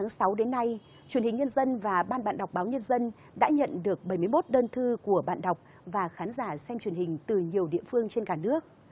từ sáu đến nay truyền hình nhân dân và ban bạn đọc báo nhân dân đã nhận được bảy mươi một đơn thư của bạn đọc và khán giả xem truyền hình từ nhiều địa phương trên cả nước